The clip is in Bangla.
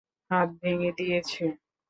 হাত ভেঙ্গে দিয়েছে?